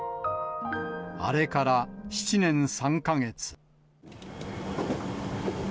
あれから７年３か月。